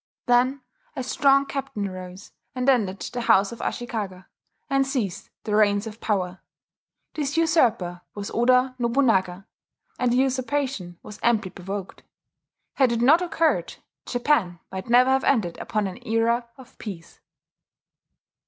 Then a strong captain arose and ended the house of Ashikaga, and seized the reins of power. This usurper was Oda Nobunaga; and the usurpation was amply provoked. Had it not occurred, Japan might never have entered upon an era of peace.